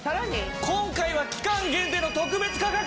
今回は期間限定の特別価格！